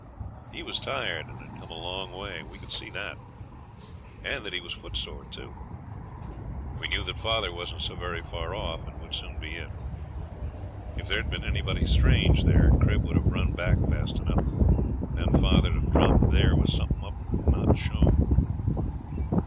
He was tired, and had come a long way. We could see that, and that he was footsore too. We knew that father wasn't so very far off, and would soon be in. If there'd been anybody strange there Crib would have run back fast enough; then father'd have dropped there was something up and not shown.